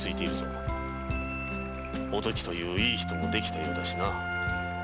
お時といういい人も出来たようだしな。